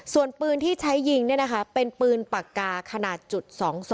ส่วนปืนที่ใช้ยิงเนี่ยนะคะเป็นปืนปากกาขนาด๒๒